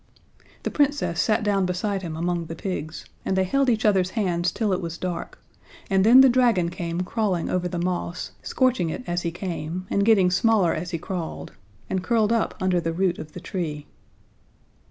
The Princess sat down beside him among the pigs, and they held each other's hands till it was dark, and then the dragon came crawling over the moss, scorching it as he came, and getting smaller as he crawled, and curled up under the root of the tree.